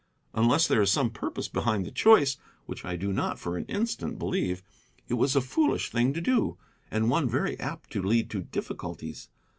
Unless there is some purpose behind the choice, which I do not for an instant believe, it was a foolish thing to do, and one very apt to lead to difficulties.